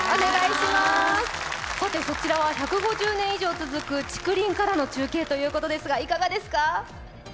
そちらは１５０年以上続く竹林からの中継ということですがいかがですか？